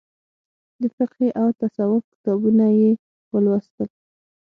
د فقهي او تصوف کتابونه یې ولوستل.